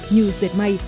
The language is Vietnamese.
như dệt may